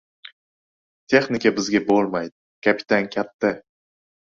Texnika bizga bo‘lmaydi, kapitan katta.